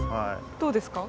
どうですか？